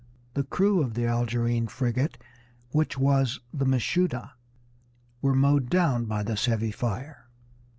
The crew of the Algerine frigate, which was the Mashuda, were mowed down by this heavy fire.